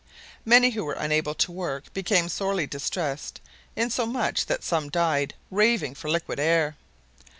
Many who were unable to work became sorely distressed insomuch that some died raving for liquid air.